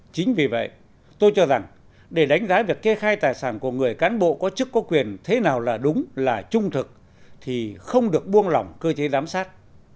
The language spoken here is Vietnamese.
chính vì vậy tôi cho rằng để đánh giá việc kê khai tài sản của người cán bộ có chức có quyền thế nào là đúng là trung thực thì không được buông lỏng cơ chế giám sát